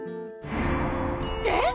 えっ！？